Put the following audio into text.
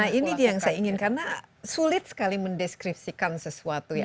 nah ini dia yang saya ingin karena sulit sekali mendeskripsikan sesuatu ya